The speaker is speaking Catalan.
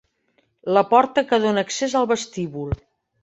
La porta que dona accés al vestíbul.